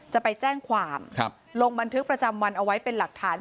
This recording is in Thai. จะไปแจ้งความลงบันทึกประจำวันเอาไว้เป็นหลักฐาน